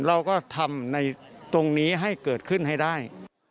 เราก็ทำในตรงนี้ให้เกิดขึ้นให้ได้